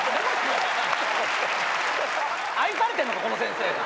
愛されてるのかこの先生。